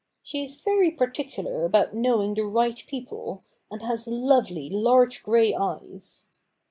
She is ver} particular about know ing the right people, and has lovely, large grey eyes.